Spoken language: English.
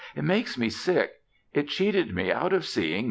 It makes me sick. It cheated me out of seeing Mr. Bing."